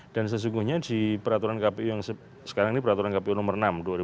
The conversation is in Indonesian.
dan sesungguhnya di peraturan kpu yang sekarang ini peraturan kpu nomor enam dua ribu delapan belas